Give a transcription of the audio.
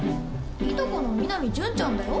いとこの南淳ちゃんだよ。